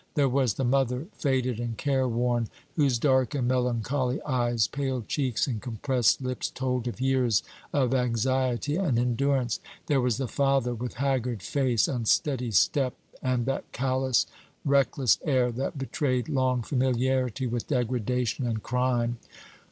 There was the mother, faded and care worn, whose dark and melancholy eyes, pale cheeks, and compressed lips told of years of anxiety and endurance. There was the father, with haggard face, unsteady step, and that callous, reckless air, that betrayed long familiarity with degradation and crime.